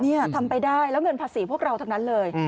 นี่ทำไปได้แล้วเงินภาษีพวกเราทั้งนั้นเลย